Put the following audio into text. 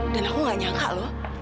dan aku gak nyangka loh